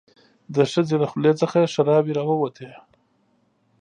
د ښځې له خولې څخه ښيراوې راووتې.